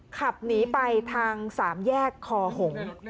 ขับหนีไปทาง๓แยกคอหงศ์